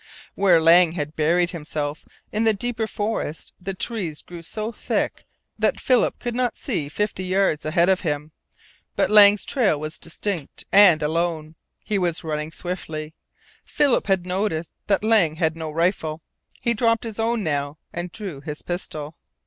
Where Lang had buried himself in the deeper forest the trees grew so thick that Philip, could not see fifty yards ahead of him. But Lang's trail was distinct and alone. He was running swiftly. Philip had noticed that Lang had no rifle, He dropped his own now, and drew his pistol.